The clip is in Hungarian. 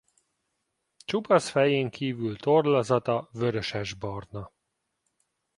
Csupasz fején kívül tollazata vörösesbarna.